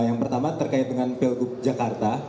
yang pertama terkait dengan pilgub jakarta